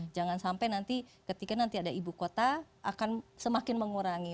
jangan sampai nanti ketika nanti ada ibu kota akan semakin mengurangi